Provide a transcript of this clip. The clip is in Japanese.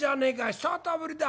久方ぶりだ。